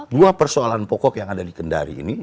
dua persoalan pokok yang ada di kendari ini